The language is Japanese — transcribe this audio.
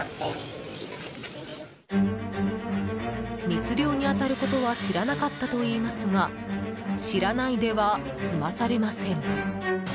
密漁に当たることは知らなかったといいますが知らないでは済まされません。